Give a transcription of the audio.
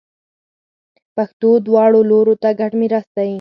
پښتو دواړو لورو ته ګډ میراث دی.